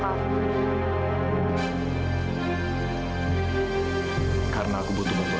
karena aku butuh